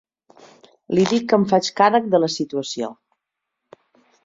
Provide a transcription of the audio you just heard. Li dic que em faig càrrec de la situació.